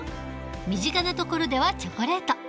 身近なところではチョコレート。